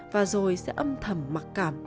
và rồi sẽ âm thầm mặc cảm